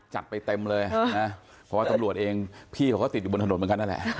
จัดไปเต็มเลยนะเพราะว่าตำรวจเองพี่เขาก็ติดอยู่บนถนนเหมือนกันนั่นแหละ